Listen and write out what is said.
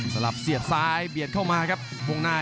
หลับเสียบซ้ายเบียดเข้ามาครับวงหน้า